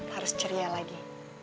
harus ceria lagi